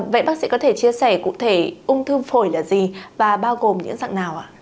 vậy bác sĩ có thể chia sẻ cụ thể ung thư phổi là gì và bao gồm những dạng nào ạ